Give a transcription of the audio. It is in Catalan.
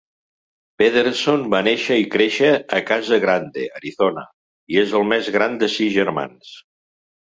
Pederson va néixer i créixer a Casa Grande, Arizona, i és el més gran de sis germans.